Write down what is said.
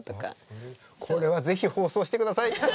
これは是非放送してください。